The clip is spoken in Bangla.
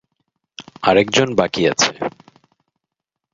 আরেকজন বাকি আছে।